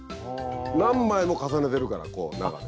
何枚も重ねてるからこう中で。